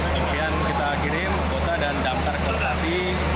kemudian kita kirim kota dan damkar ke lokasi